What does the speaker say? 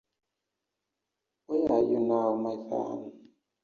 Where Are You Now, My Son?